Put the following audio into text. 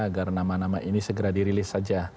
agar nama nama ini segera dirilis saja